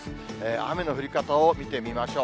雨の降り方を見てみましょう。